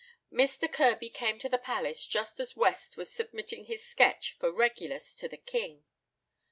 Mr. Kirby came to the palace just as West was submitting his sketch for "Regulus" to the king.